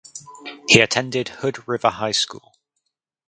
He attended Hood River High School.